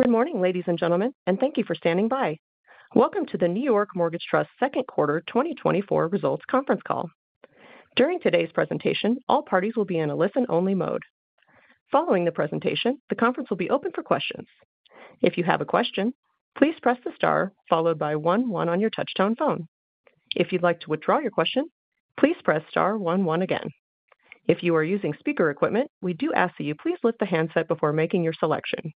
Good morning, ladies and gentlemen, and thank you for standing by. Welcome to the New York Mortgage Trust second quarter 2024 results conference call. During today's presentation, all parties will be in a listen-only mode. Following the presentation, the conference will be open for questions. If you have a question, please press the star followed by one one on your touch-tone phone. If you'd like to withdraw your question, please press star one one again. If you are using speaker equipment, we do ask that you please lift the handset before making your selection.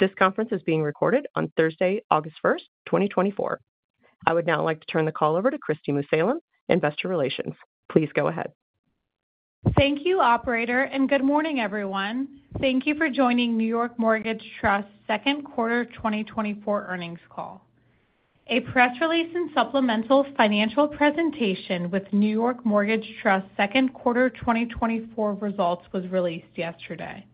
This conference is being recorded on Thursday, August 1st, 2024. I would now like to turn the call over to Kristi Musalem Head of Investor Relations. Please go ahead. Thank you, Operator, and good morning, everyone. Thank you for joining New York Mortgage Trust second quarter 2024 earnings call. A press release and supplemental financial presentation with New York Mortgage Trust second quarter 2024 results was released yesterday.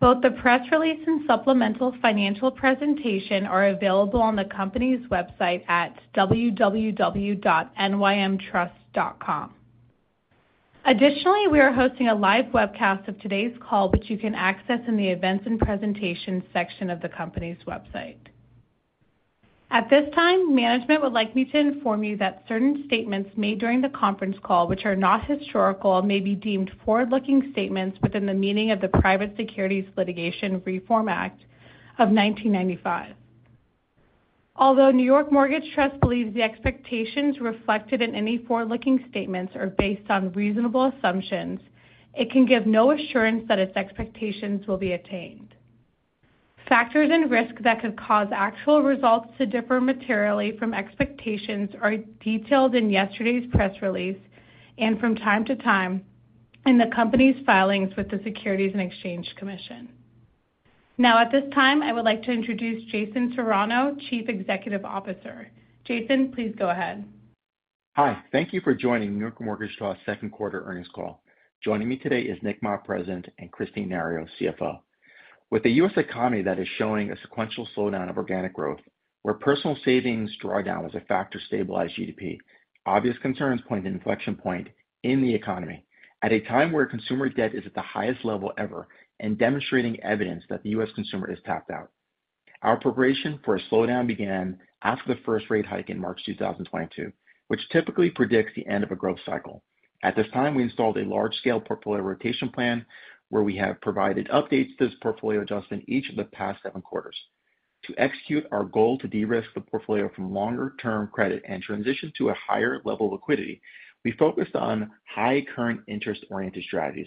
Both the press release and supplemental financial presentation are available on the company's website at www.nymtrust.com. Additionally, we are hosting a live webcast of today's call, which you can access in the Events and Presentations section of the company's website. At this time, management would like me to inform you that certain statements made during the conference call, which are not historical, may be deemed forward-looking statements within the meaning of the Private Securities Litigation Reform Act of 1995. Although New York Mortgage Trust believes the expectations reflected in any forward-looking statements are based on reasonable assumptions, it can give no assurance that its expectations will be attained. Factors and risks that could cause actual results to differ materially from expectations are detailed in yesterday's press release and from time to time in the company's filings with the Securities and Exchange Commission. Now, at this time, I would like to introduce Jason Serrano, Chief Executive Officer. Jason, please go ahead. Hi, thank you for joining New York Mortgage Trust second quarter earnings call. Joining me today is Nic Mah, President, and Kristine Nario, CFO. With a U.S. economy that is showing a sequential slowdown of organic growth, where personal savings drawdown was a factor to stabilize GDP, obvious concerns point to an inflection point in the economy at a time where consumer debt is at the highest level ever and demonstrating evidence that the U.S. consumer is tapped out. Our preparation for a slowdown began after the first rate hike in March 2022, which typically predicts the end of a growth cycle. At this time, we installed a large-scale portfolio rotation plan where we have provided updates to this portfolio adjustment each of the past seven quarters. To execute our goal to de-risk the portfolio from longer-term credit and transition to a higher level of liquidity, we focused on high current interest-oriented strategies.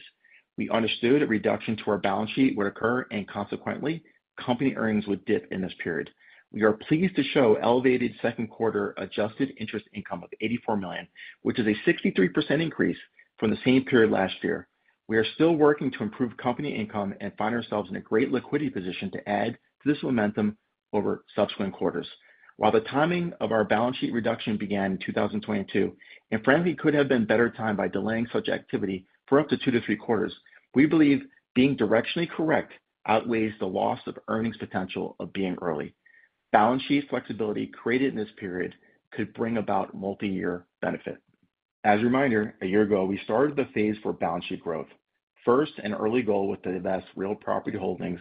We understood a reduction to our balance sheet would occur, and consequently, company earnings would dip in this period. We are pleased to show elevated second quarter adjusted interest income of $84 million, which is a 63% increase from the same period last year. We are still working to improve company income and find ourselves in a great liquidity position to add to this momentum over subsequent quarters. While the timing of our balance sheet reduction began in 2022, and frankly, could have been better timed by delaying such activity for up to two to three quarters, we believe being directionally correct outweighs the loss of earnings potential of being early. Balance sheet flexibility created in this period could bring about multi-year benefit. As a reminder, a year ago, we started the phase for balance sheet growth. First, an early goal with the vast real property holdings,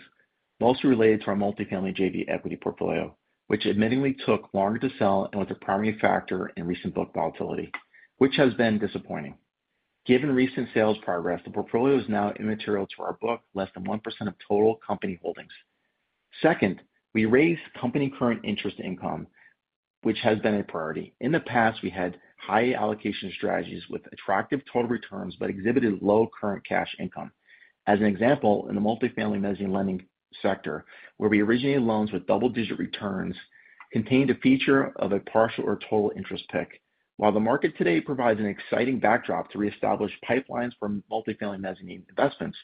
mostly related to our multifamily JV equity portfolio, which admittedly took longer to sell and was a primary factor in recent book volatility, which has been disappointing. Given recent sales progress, the portfolio is now immaterial to our book, less than 1% of total company holdings. Second, we raised company current interest income, which has been a priority. In the past, we had high allocation strategies with attractive total returns but exhibited low current cash income. As an example, in the multifamily mezzanine lending sector, where we originated loans with double-digit returns, contained a feature of a partial or total interest PIK. While the market today provides an exciting backdrop to reestablish pipelines for multifamily mezzanine investments,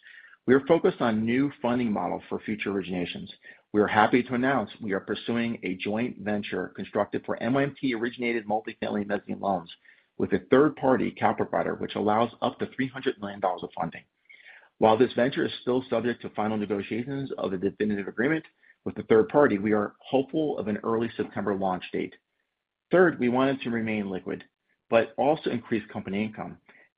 we are focused on new funding models for future originations. We are happy to announce we are pursuing a joint venture constructed for NYMT-originated multifamily mezzanine loans with a third-party capital provider, which allows up to $300 million of funding. While this venture is still subject to final negotiations of a definitive agreement with the third party, we are hopeful of an early September launch date. Third, we wanted to remain liquid, but also increase company income.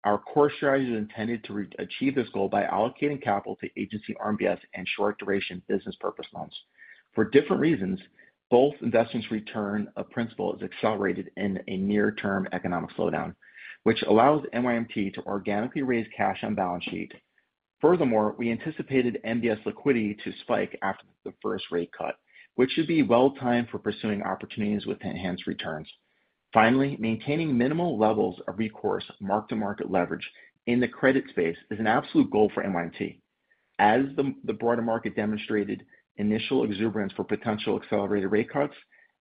Our core strategy is intended to achieve this goal by allocating capital to agency RMBS and short-duration business purpose loans. For different reasons, both investments return of principal is accelerated in a near-term economic slowdown, which allows NYMT to organically raise cash on balance sheet. Furthermore, we anticipated MBS liquidity to spike after the first rate cut, which should be well-timed for pursuing opportunities with enhanced returns. Finally, maintaining minimal levels of recourse mark-to-market leverage in the credit space is an absolute goal for NYMT. As the broader market demonstrated initial exuberance for potential accelerated rate cuts,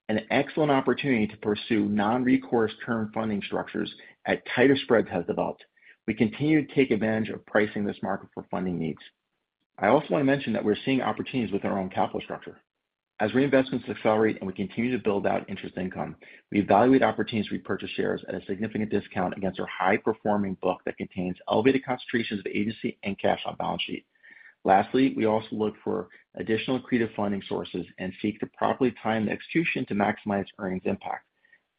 an excellent opportunity to pursue non-recourse term funding structures at tighter spreads has developed. We continue to take advantage of pricing this market for funding needs. I also want to mention that we're seeing opportunities with our own capital structure. As reinvestments accelerate and we continue to build out interest income, we evaluate opportunities to repurchase shares at a significant discount against our high-performing book that contains elevated concentrations of agency and cash on balance sheet. Lastly, we also look for additional creative funding sources and seek to properly time the execution to maximize earnings impact.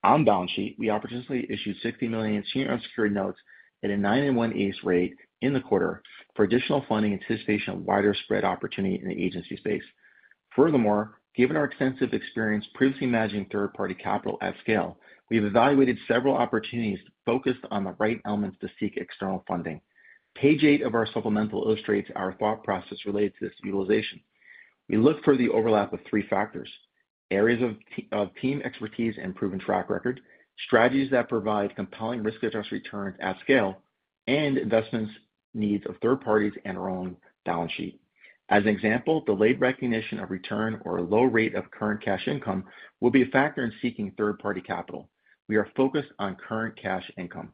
On balance sheet, we opportunistically issued $60 million senior unsecured notes at a 9.125% rate in the quarter for additional funding in anticipation of wider spread opportunity in the agency space. Furthermore, given our extensive experience previously managing third-party capital at scale, we have evaluated several opportunities focused on the right elements to seek external funding. Page eight of our supplemental illustrates our thought process related to this utilization. We look for the overlap of three factors: areas of team expertise and proven track record, strategies that provide compelling risk-adjusted returns at scale, and investments needs of third parties and our own balance sheet. As an example, delayed recognition of return or a low rate of current cash income will be a factor in seeking third-party capital. We are focused on current cash income.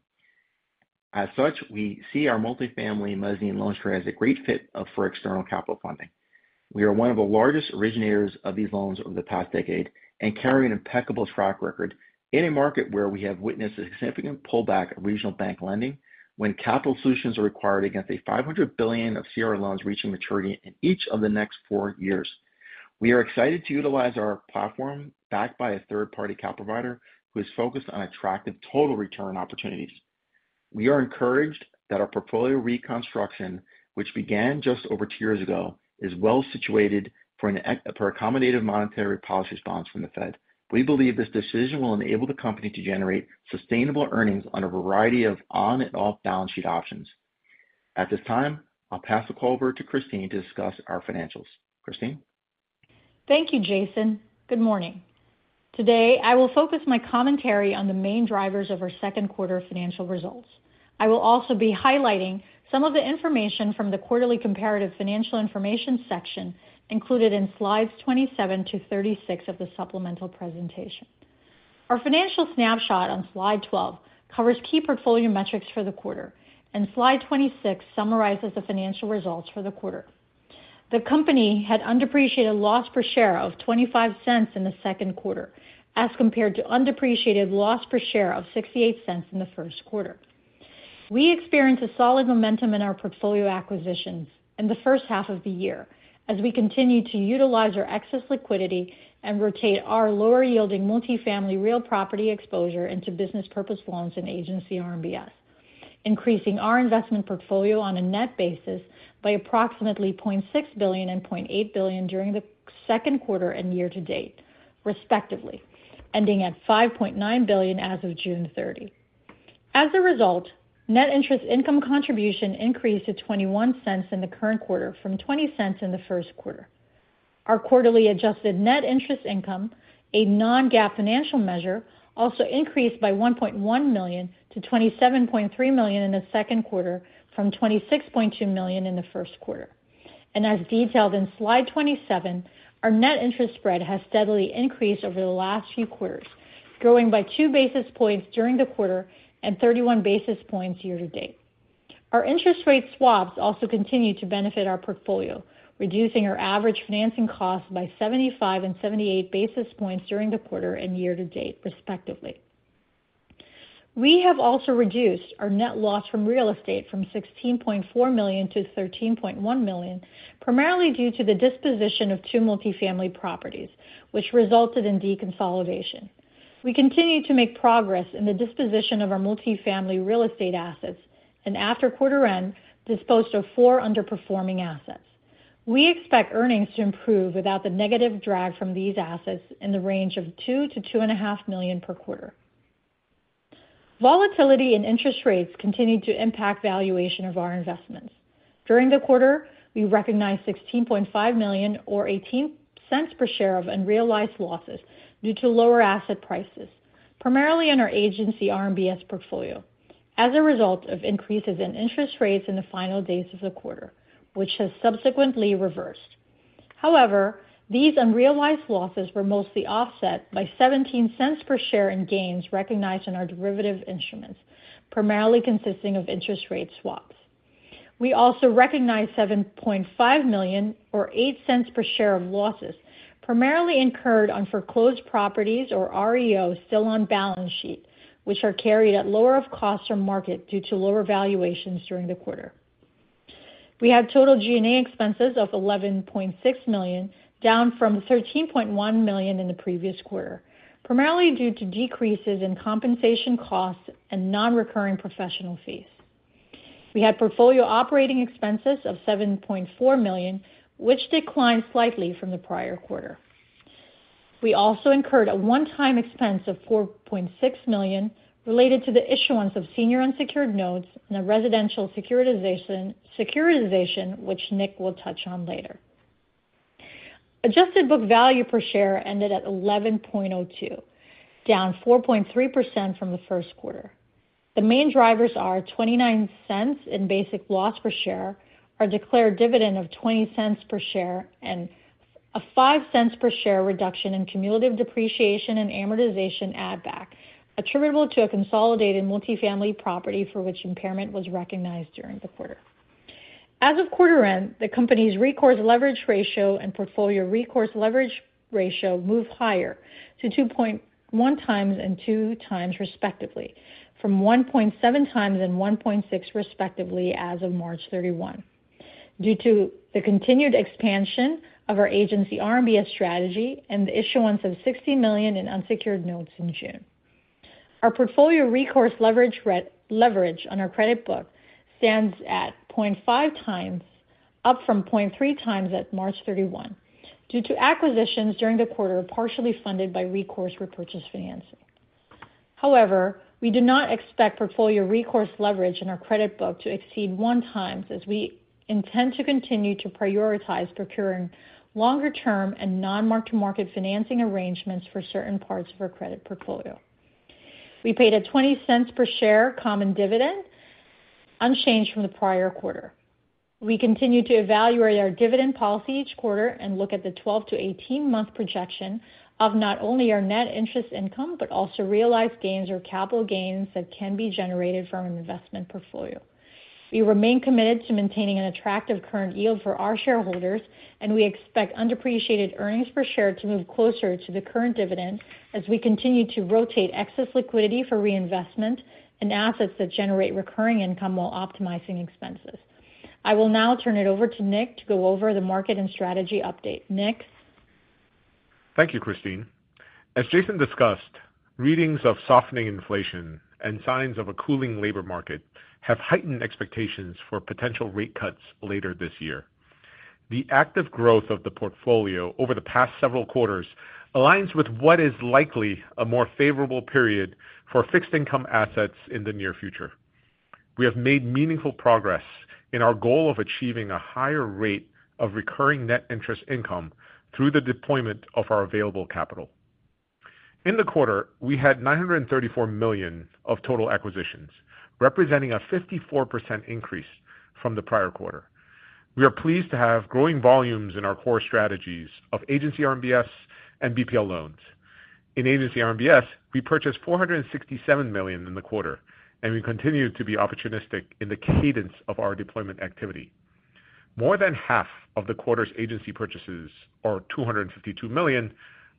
As such, we see our multifamily mezzanine loan story as a great fit for external capital funding. We are one of the largest originators of these loans over the past decade and carry an impeccable track record in a market where we have witnessed a significant pullback of regional bank lending when capital solutions are required against a $500 billion of CRE loans reaching maturity in each of the next four years. We are excited to utilize our platform backed by a third-party cap provider who is focused on attractive total return opportunities. We are encouraged that our portfolio reconstruction, which began just over two years ago, is well situated for an accommodative monetary policy response from the Fed. We believe this decision will enable the company to generate sustainable earnings on a variety of on- and off-balance sheet options. At this time, I'll pass the call over to Kristine to discuss our financials. Kristine. Thank you, Jason. Good morning. Today, I will focus my commentary on the main drivers of our second quarter financial results. I will also be highlighting some of the information from the quarterly comparative financial information section included in slides 27 to 36 of the supplemental presentation. Our financial snapshot on slide 12 covers key portfolio metrics for the quarter, and slide 26 summarizes the financial results for the quarter. The company had undepreciated loss per share of $0.25 in the second quarter as compared to undepreciated loss per share of $0.68 in the first quarter. We experienced a solid momentum in our portfolio acquisitions in the first half of the year as we continued to utilize our excess liquidity and rotate our lower-yielding multifamily real property exposure into business purpose loans and agency RMBS, increasing our investment portfolio on a net basis by approximately $0.6 billion and $0.8 billion during the second quarter and year-to-date, respectively, ending at $5.9 billion as of June 30th. As a result, net interest income contribution increased to $0.21 in the current quarter from $0.20 in the first quarter. Our quarterly adjusted net interest income, a non-GAAP financial measure, also increased by $1.1 million to $27.3 million in the second quarter from $26.2 million in the first quarter. As detailed in slide 27, our net interest spread has steadily increased over the last few quarters, growing by 2 basis points during the quarter and 31 basis points year-to-date. Our interest rate swaps also continue to benefit our portfolio, reducing our average financing cost by 75 and 78 basis points during the quarter and year-to-date, respectively. We have also reduced our net loss from real estate from $16.4 million to $13.1 million, primarily due to the disposition of two multifamily properties, which resulted in deconsolidation. We continue to make progress in the disposition of our multifamily real estate assets and, after quarter end, disposed of four underperforming assets. We expect earnings to improve without the negative drag from these assets in the range of $2 million-$2.5 million per quarter. Volatility in interest rates continued to impact valuation of our investments. During the quarter, we recognized $16.5 million or $0.18 per share of unrealized losses due to lower asset prices, primarily in our agency RMBS portfolio, as a result of increases in interest rates in the final days of the quarter, which has subsequently reversed. However, these unrealized losses were mostly offset by $0.17 per share in gains recognized in our derivative instruments, primarily consisting of interest rate swaps. We also recognized $7.5 million or $0.08 per share of losses, primarily incurred on foreclosed properties or REOs still on balance sheet, which are carried at lower of cost or market due to lower valuations during the quarter. We had total G&A expenses of $11.6 million, down from $13.1 million in the previous quarter, primarily due to decreases in compensation costs and non-recurring professional fees. We had portfolio operating expenses of $7.4 million, which declined slightly from the prior quarter. We also incurred a one-time expense of $4.6 million related to the issuance of senior unsecured notes and a residential securitization, which Nic will touch on later. Adjusted book value per share ended at $11.02, down 4.3% from the first quarter. The main drivers are $0.29 in basic loss per share, our declared dividend of $0.20 per share, and a $0.05 per share reduction in cumulative depreciation and amortization add-back attributable to a consolidated multifamily property for which impairment was recognized during the quarter. As of quarter end, the company's recourse leverage ratio and portfolio recourse leverage ratio moved higher to 2.1x and 2x, respectively, from 1.7x and 1.6x, respectively, as of March 31, due to the continued expansion of our agency RMBS strategy and the issuance of $60 million in unsecured notes in June. Our portfolio recourse leverage on our credit book stands at 0.5x, up from 0.3x at March 31, due to acquisitions during the quarter partially funded by recourse repurchase financing. However, we do not expect portfolio recourse leverage in our credit book to exceed one time, as we intend to continue to prioritize procuring longer-term and non-mark-to-market financing arrangements for certain parts of our credit portfolio. We paid a $0.20 per share common dividend, unchanged from the prior quarter. We continue to evaluate our dividend policy each quarter and look at the 12-18-month projection of not only our net interest income but also realized gains or capital gains that can be generated from an investment portfolio. We remain committed to maintaining an attractive current yield for our shareholders, and we expect undepreciated earnings per share to move closer to the current dividend as we continue to rotate excess liquidity for reinvestment in assets that generate recurring income while optimizing expenses. I will now turn it over to Nic to go over the market and strategy update. Nic. Thank you, Kristine. As Jason discussed, readings of softening inflation and signs of a cooling labor market have heightened expectations for potential rate cuts later this year. The active growth of the portfolio over the past several quarters aligns with what is likely a more favorable period for fixed income assets in the near future. We have made meaningful progress in our goal of achieving a higher rate of recurring net interest income through the deployment of our available capital. In the quarter, we had $934 million of total acquisitions, representing a 54% increase from the prior quarter. We are pleased to have growing volumes in our core strategies of agency RMBS and BPL loans. In agency RMBS, we purchased $467 million in the quarter, and we continue to be opportunistic in the cadence of our deployment activity. More than half of the quarter's agency purchases, or $252 million,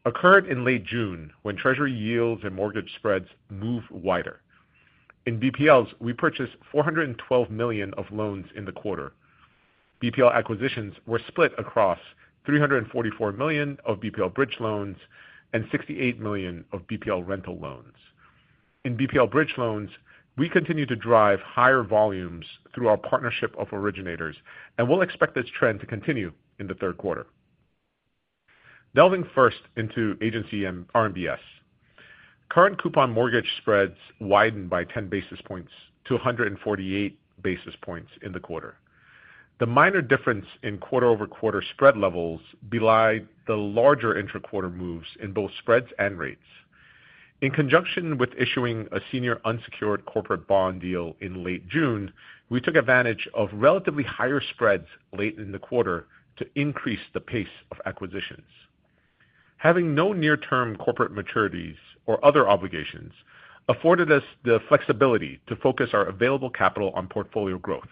occurred in late June when Treasury yields and mortgage spreads moved wider. In BPLs, we purchased $412 million of loans in the quarter. BPL acquisitions were split across $344 million of BPL bridge loans and $68 million of BPL rental loans. In BPL bridge loans, we continue to drive higher volumes through our partnership of originators, and we'll expect this trend to continue in the third quarter. Delving first into agency RMBS, current coupon mortgage spreads widened by 10 basis points to 148 basis points in the quarter. The minor difference in quarter-over-quarter spread levels belied the larger intra-quarter moves in both spreads and rates. In conjunction with issuing a senior unsecured corporate bond deal in late June, we took advantage of relatively higher spreads late in the quarter to increase the pace of acquisitions. Having no near-term corporate maturities or other obligations afforded us the flexibility to focus our available capital on portfolio growth.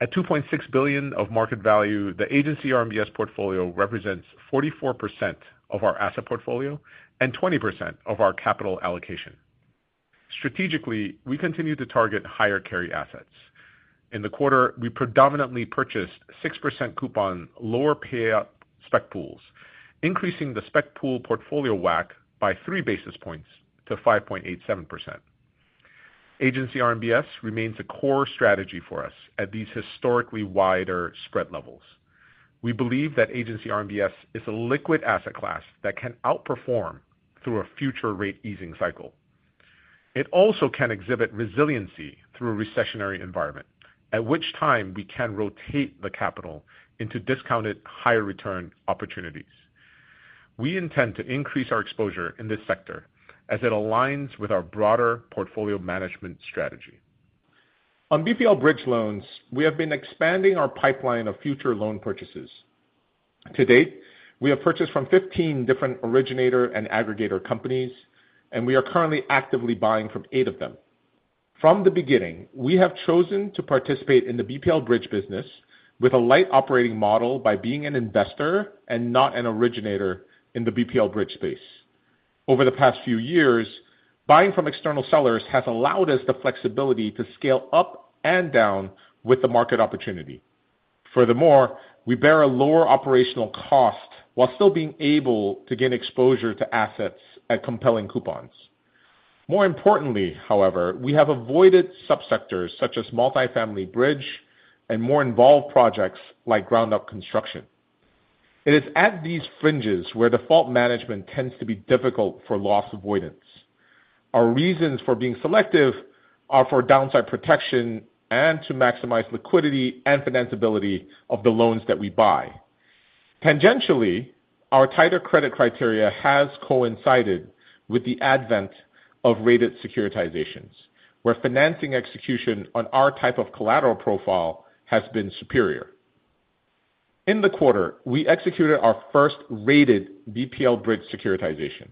At $2.6 billion of market value, the agency RMBS portfolio represents 44% of our asset portfolio and 20% of our capital allocation. Strategically, we continue to target higher carry assets. In the quarter, we predominantly purchased 6% coupon lower payout spec pools, increasing the spec pool portfolio WAC by 3 basis points to 5.87%. Agency RMBS remains a core strategy for us at these historically wider spread levels. We believe that agency RMBS is a liquid asset class that can outperform through a future rate easing cycle. It also can exhibit resiliency through a recessionary environment, at which time we can rotate the capital into discounted higher return opportunities. We intend to increase our exposure in this sector as it aligns with our broader portfolio management strategy. On BPL bridge loans, we have been expanding our pipeline of future loan purchases. To date, we have purchased from 15 different originator and aggregator companies, and we are currently actively buying from eight of them. From the beginning, we have chosen to participate in the BPL bridge business with a light operating model by being an investor and not an originator in the BPL bridge space. Over the past few years, buying from external sellers has allowed us the flexibility to scale up and down with the market opportunity. Furthermore, we bear a lower operational cost while still being able to gain exposure to assets at compelling coupons. More importantly, however, we have avoided subsectors such as multifamily bridge and more involved projects like ground-up construction. It is at these fringes where default management tends to be difficult for loss avoidance. Our reasons for being selective are for downside protection and to maximize liquidity and financeability of the loans that we buy. Tangentially, our tighter credit criteria has coincided with the advent of rated securitizations, where financing execution on our type of collateral profile has been superior. In the quarter, we executed our first rated BPL bridge securitization,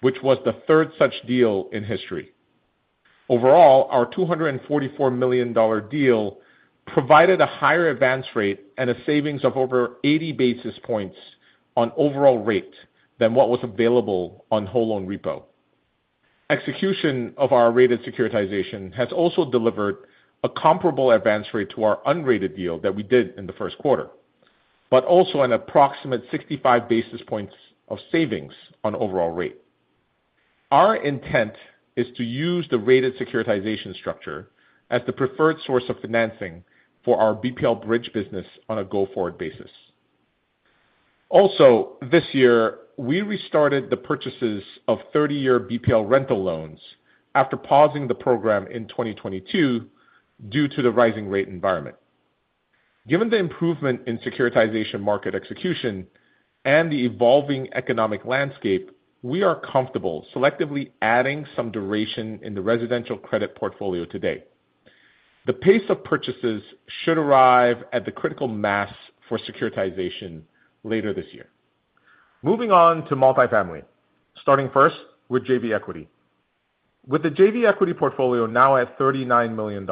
which was the third such deal in history. Overall, our $244 million deal provided a higher advance rate and a savings of over 80 basis points on overall rate than what was available on whole loan repo. Execution of our rated securitization has also delivered a comparable advance rate to our unrated deal that we did in the first quarter, but also an approximate 65 basis points of savings on overall rate. Our intent is to use the rated securitization structure as the preferred source of financing for our BPL bridge business on a go-forward basis. Also, this year, we restarted the purchases of 30-year BPL rental loans after pausing the program in 2022 due to the rising rate environment. Given the improvement in securitization market execution and the evolving economic landscape, we are comfortable selectively adding some duration in the residential credit portfolio today. The pace of purchases should arrive at the critical mass for securitization later this year. Moving on to multifamily, starting first with JV Equity. With the JV Equity portfolio now at $39 million,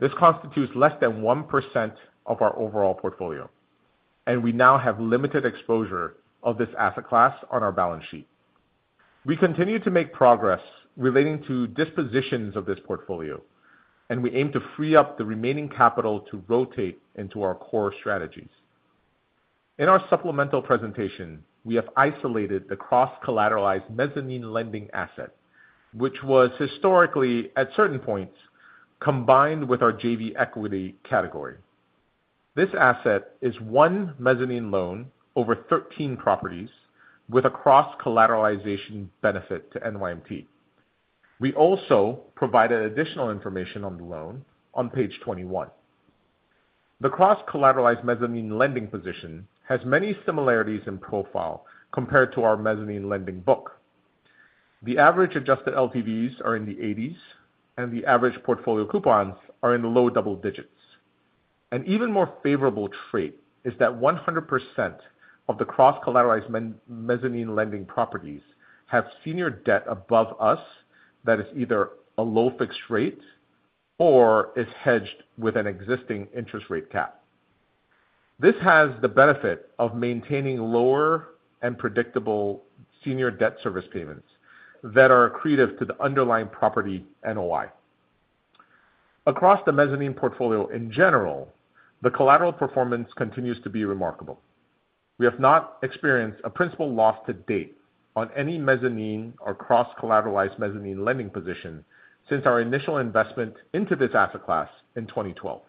this constitutes less than 1% of our overall portfolio, and we now have limited exposure of this asset class on our balance sheet. We continue to make progress relating to dispositions of this portfolio, and we aim to free up the remaining capital to rotate into our core strategies. In our supplemental presentation, we have isolated the cross-collateralized mezzanine lending asset, which was historically, at certain points, combined with our JV Equity category. This asset is one mezzanine loan over 13 properties with a cross-collateralization benefit to NYMT. We also provided additional information on the loan on page 21. The cross-collateralized mezzanine lending position has many similarities in profile compared to our mezzanine lending book. The average adjusted LTVs are in the 80s, and the average portfolio coupons are in the low double digits. An even more favorable trait is that 100% of the cross-collateralized mezzanine lending properties have senior debt above us that is either a low fixed rate or is hedged with an existing interest rate cap. This has the benefit of maintaining lower and predictable senior debt service payments that are accretive to the underlying property NOI. Across the mezzanine portfolio in general, the collateral performance continues to be remarkable. We have not experienced a principal loss to date on any mezzanine or cross-collateralized mezzanine lending position since our initial investment into this asset class in 2012.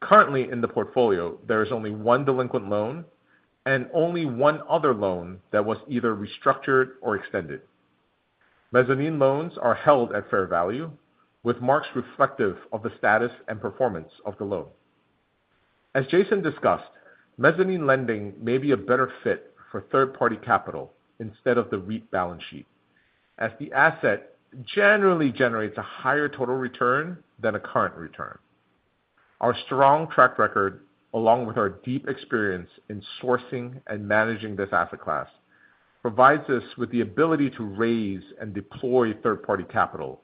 Currently, in the portfolio, there is only one delinquent loan and only one other loan that was either restructured or extended. Mezzanine loans are held at fair value, with marks reflective of the status and performance of the loan. As Jason discussed, mezzanine lending may be a better fit for third-party capital instead of the REIT balance sheet, as the asset generally generates a higher total return than a current return. Our strong track record, along with our deep experience in sourcing and managing this asset class, provides us with the ability to raise and deploy third-party capital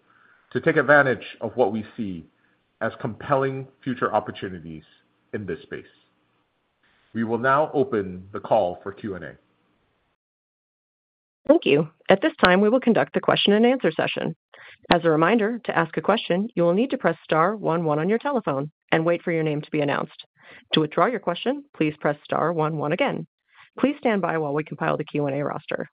to take advantage of what we see as compelling future opportunities in this space. We will now open the call for Q&A. Thank you. At this time, we will conduct the question-and-answer session. As a reminder, to ask a question, you will need to press star one one on your telephone and wait for your name to be announced. To withdraw your question, please press star one one again. Please stand by while we compile the Q&A roster.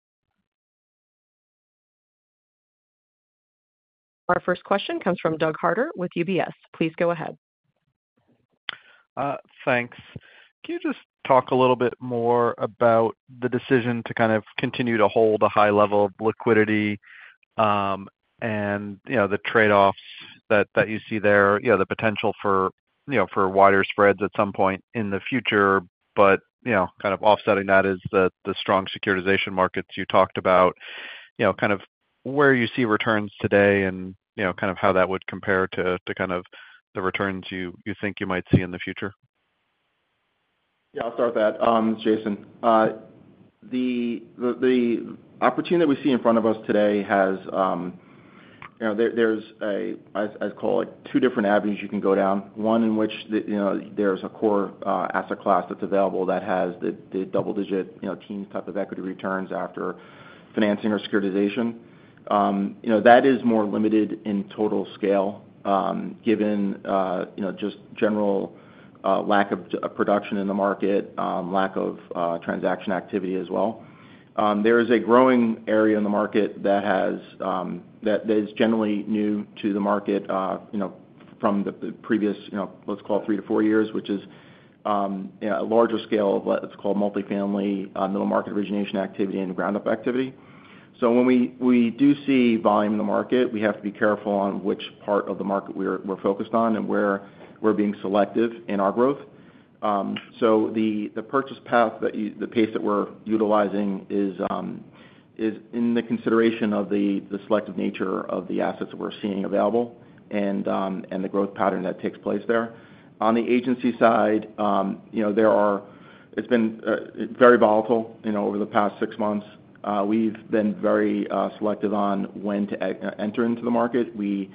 Our first question comes from Doug Harter with UBS. Please go ahead. Thanks. Can you just talk a little bit more about the decision to kind of continue to hold a high level of liquidity and the trade-offs that you see there, the potential for wider spreads at some point in the future, but kind of offsetting that is the strong securitization markets you talked about, kind of where you see returns today and kind of how that would compare to kind of the returns you think you might see in the future? Yeah, I'll start with that, I'm Jason. The opportunity that we see in front of us today, there's, I call it, two different avenues you can go down. One in which there's a core asset class that's available that has the double-digit teens type of equity returns after financing or securitization. That is more limited in total scale given just general lack of production in the market, lack of transaction activity as well. There is a growing area in the market that is generally new to the market from the previous, let's call it, three to four years, which is a larger scale of what's called multifamily middle market origination activity and ground-up activity. So when we do see volume in the market, we have to be careful on which part of the market we're focused on and where we're being selective in our growth. So the purchase path, the pace that we're utilizing, is in the consideration of the selective nature of the assets that we're seeing available and the growth pattern that takes place there. On the agency side, it's been very volatile over the past six months. We've been very selective on when to enter into the market. We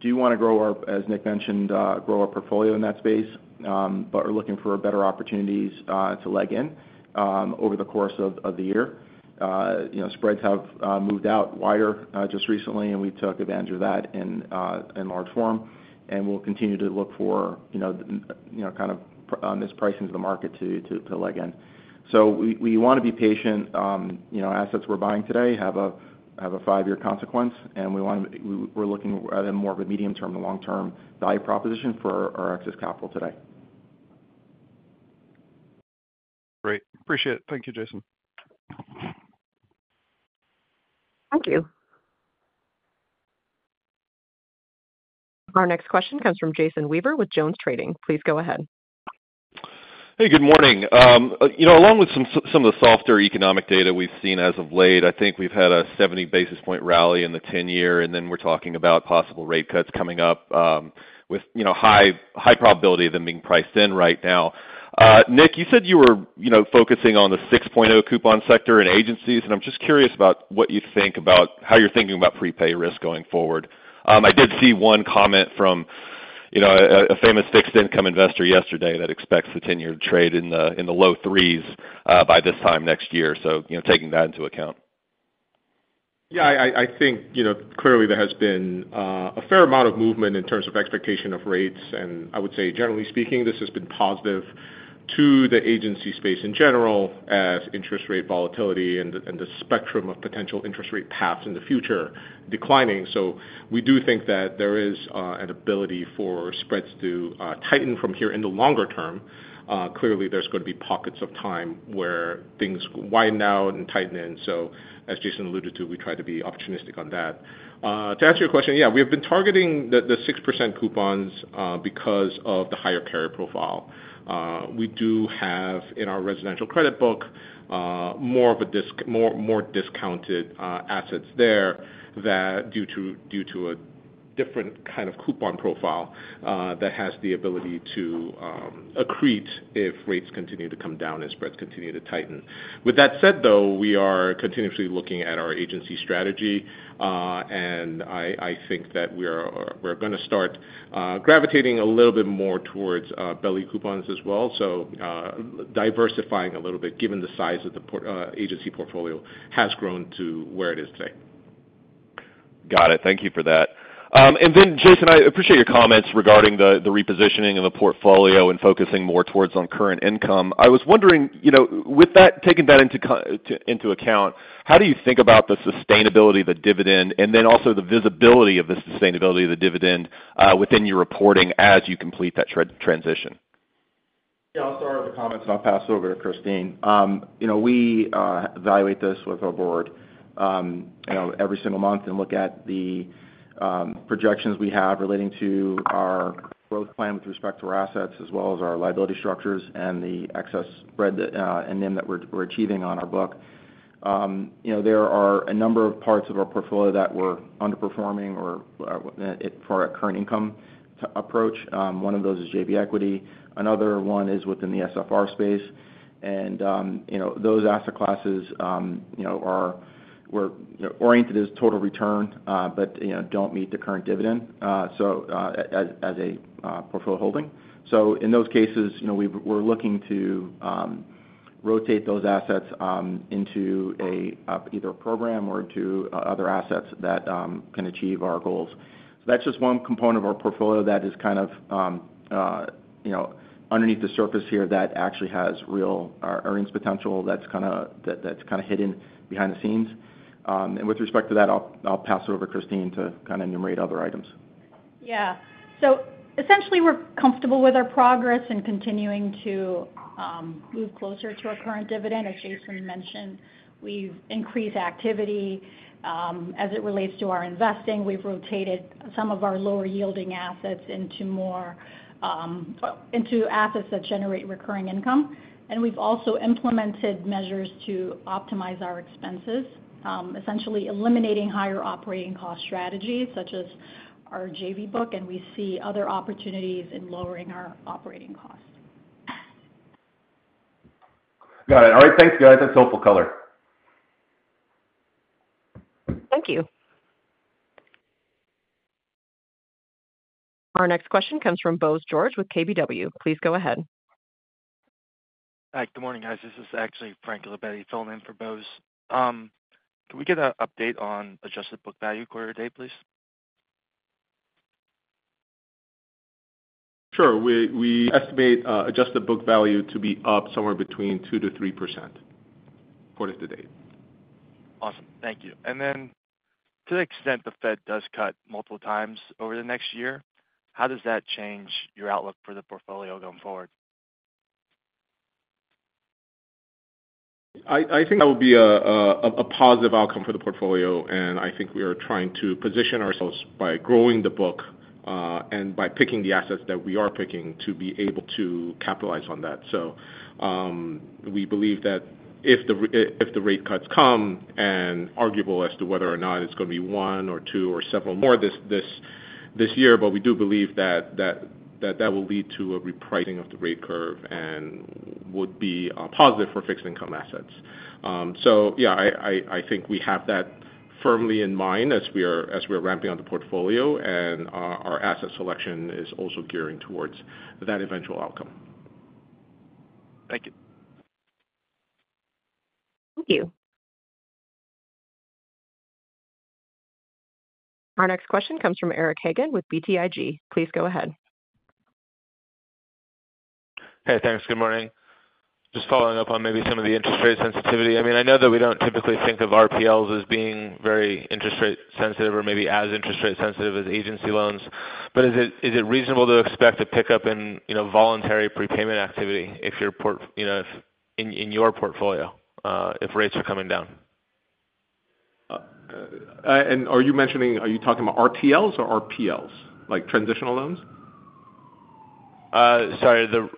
do want to grow our, as Nic mentioned, grow our portfolio in that space, but we're looking for better opportunities to leg in over the course of the year. Spreads have moved out wider just recently, and we took advantage of that in large form, and we'll continue to look for kind of mispricings of the market to leg in. So we want to be patient. Assets we're buying today have a five-year consequence, and we're looking at more of a medium-term to long-term value proposition for our excess capital today. Great. Appreciate it. Thank you, Jason. Thank you. Our next question comes from Jason Weaver with JonesTrading. Please go ahead. Hey, good morning. Along with some of the softer economic data we've seen as of late, I think we've had a 70 basis point rally in the 10-year, and then we're talking about possible rate cuts coming up with high probability of them being priced in right now. Nick, you said you were focusing on the 6.0 coupon sector and agencies, and I'm just curious about what you think about how you're thinking about prepay risk going forward. I did see one comment from a famous fixed income investor yesterday that expects the 10-year to trade in the low threes by this time next year. So taking that into account. Yeah, I think clearly there has been a fair amount of movement in terms of expectation of rates, and I would say, generally speaking, this has been positive to the agency space in general as interest rate volatility and the spectrum of potential interest rate paths in the future declining. So we do think that there is an ability for spreads to tighten from here in the longer term. Clearly, there's going to be pockets of time where things widen out and tighten in. So as Jason alluded to, we try to be opportunistic on that. To answer your question, yeah, we have been targeting the 6% coupons because of the higher carry profile. We do have in our residential credit book more discounted assets there due to a different kind of coupon profile that has the ability to accrete if rates continue to come down and spreads continue to tighten. With that said, though, we are continuously looking at our agency strategy, and I think that we're going to start gravitating a little bit more towards belly coupons as well. So diversifying a little bit given the size of the agency portfolio has grown to where it is today. Got it. Thank you for that. And then, Jason, I appreciate your comments regarding the repositioning of the portfolio and focusing more towards on current income. I was wondering, taking that into account, how do you think about the sustainability, the dividend, and then also the visibility of the sustainability of the dividend within your reporting as you complete that transition? Yeah, I'll start with the comments, and I'll pass it over to Kristine. We evaluate this with our board every single month and look at the projections we have relating to our growth plan with respect to our assets as well as our liability structures and the excess spread and NIM that we're achieving on our book. There are a number of parts of our portfolio that we're underperforming for a current income approach. One of those is JV Equity. Another one is within the SFR space. And those asset classes are oriented as total return but don't meet the current dividend as a portfolio holding. So in those cases, we're looking to rotate those assets into either a program or into other assets that can achieve our goals. So that's just one component of our portfolio that is kind of underneath the surface here that actually has real earnings potential that's kind of hidden behind the scenes. And with respect to that, I'll pass it over to Kristine to kind of enumerate other items. Yeah. So essentially, we're comfortable with our progress and continuing to move closer to our current dividend. As Jason mentioned, we've increased activity as it relates to our investing. We've rotated some of our lower-yielding assets into assets that generate recurring income. And we've also implemented measures to optimize our expenses, essentially eliminating higher operating cost strategies such as our JV book, and we see other opportunities in lowering our operating cost. Got it. All right. Thanks, guys. That's helpful color. Thank you. Our next question comes from Bose George with KBW. Please go ahead. Hi. Good morning, guys. This is actually Franc Labetti, fill in for Bose. Can we get an update on adjusted book value quarter-to-date, please? Sure. We estimate adjusted book value to be up somewhere between 2%-3% quarter-to-date. Awesome. Thank you. And then to the extent the Fed does cut multiple times over the next year, how does that change your outlook for the portfolio going forward? I think that will be a positive outcome for the portfolio, and I think we are trying to position ourselves by growing the book and by picking the assets that we are picking to be able to capitalize on that. So we believe that if the rate cuts come and arguable as to whether or not it's going to be one or two or several more this year, but we do believe that that will lead to a repricing of the rate curve and would be positive for fixed income assets. So yeah, I think we have that firmly in mind as we are ramping up the portfolio, and our asset selection is also gearing towards that eventual outcome. Thank you. Thank you. Our next question comes from Eric Hagen with BTIG. Please go ahead. Hey, thanks. Good morning. Just following up on maybe some of the interest rate sensitivity. I mean, I know that we don't typically think of RPLs as being very interest rate sensitive or maybe as interest rate sensitive as agency loans, but is it reasonable to expect a pickup in voluntary prepayment activity in your portfolio if rates are coming down? Are you talking about RTLs or RPLs, like transitional loans? Sorry, the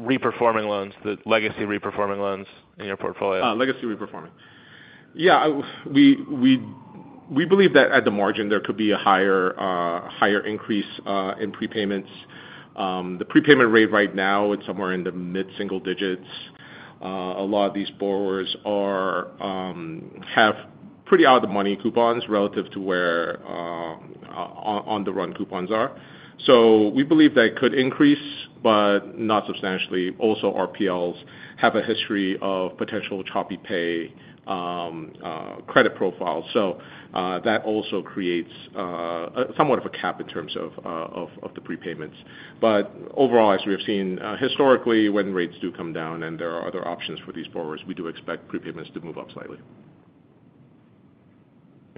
reperforming loans, the legacy reperforming loans in your portfolio. Legacy reperforming. Yeah. We believe that at the margin, there could be a higher increase in prepayments. The prepayment rate right now, it's somewhere in the mid-single digits. A lot of these borrowers have pretty out-of-the-money coupons relative to where on-the-run coupons are. So we believe that could increase, but not substantially. Also, RPLs have a history of potential choppy pay credit profile. So that also creates somewhat of a cap in terms of the prepayments. But overall, as we have seen historically, when rates do come down and there are other options for these borrowers, we do expect prepayments to move up slightly.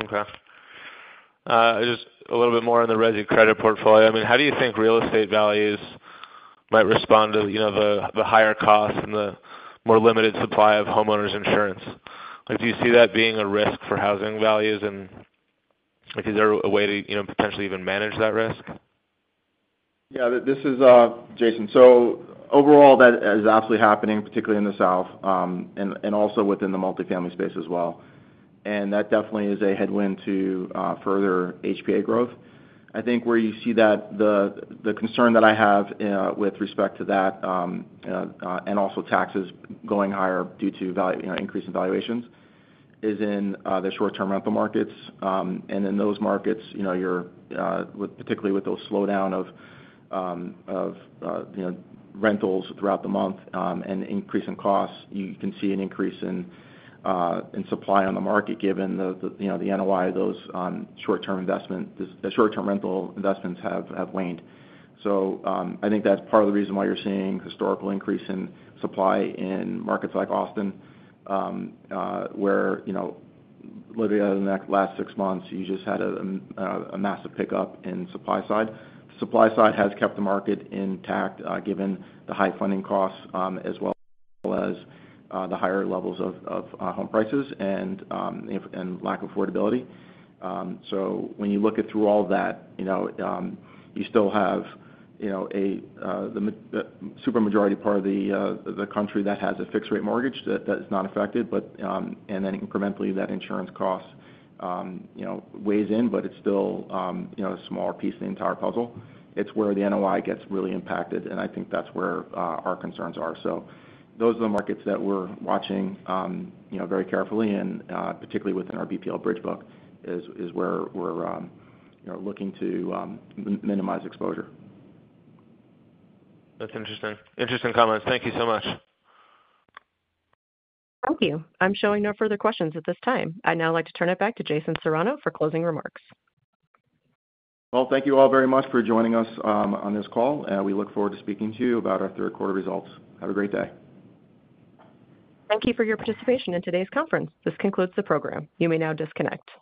Okay. Just a little bit more on the resi credit portfolio. I mean, how do you think real estate values might respond to the higher costs and the more limited supply of homeowners insurance? Do you see that being a risk for housing values? And is there a way to potentially even manage that risk? Yeah, this is Jason. So overall, that is absolutely happening, particularly in the South and also within the multifamily space as well. And that definitely is a headwind to further HPA growth. I think where you see that, the concern that I have with respect to that and also taxes going higher due to increasing valuations is in the short-term rental markets. And in those markets, particularly with the slowdown of rentals throughout the month and increasing costs, you can see an increase in supply on the market given the NOI of those short-term rental investments have waned. So I think that's part of the reason why you're seeing historical increase in supply in markets like Austin, where literally over the last six months, you just had a massive pickup in supply side. Supply side has kept the market intact given the high funding costs as well as the higher levels of home prices and lack of affordability. So when you look at through all that, you still have the super majority part of the country that has a fixed-rate mortgage that is not affected, and then incrementally, that insurance cost weighs in, but it's still a small piece of the entire puzzle. It's where the NOI gets really impacted, and I think that's where our concerns are. So those are the markets that we're watching very carefully, and particularly within our BPL Bridge book is where we're looking to minimize exposure. That's interesting. Interesting comments. Thank you so much. Thank you. I'm showing no further questions at this time. I'd now like to turn it back to Jason Serrano for closing remarks. Well, thank you all very much for joining us on this call, and we look forward to speaking to you about our third-quarter results. Have a great day. Thank you for your participation in today's conference. This concludes the program. You may now disconnect.